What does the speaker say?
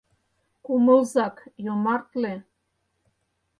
Кумылзак, йомартле.